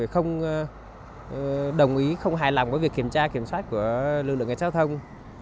không đồng ý không hài lòng với việc kiểm tra kiểm soát của lưu lượng gai giao thông